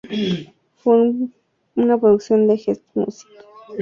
Fue una producción de Gestmusic.